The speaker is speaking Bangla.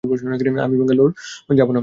আমি ব্যাঙ্গালোর যাবো না।